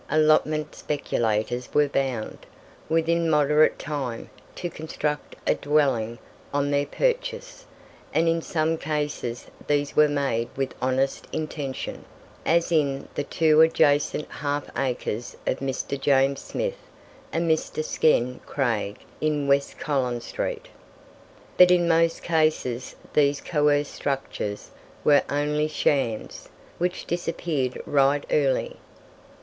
Allotment speculators were bound, within moderate time, to construct a "dwelling" on their purchase, and in some cases these were made with honest intention, as in the two adjacent half acres of Mr. James Smith and Mr. Skene Craig in west Collins street. But in most cases these coerced structures were only shams, which disappeared right early.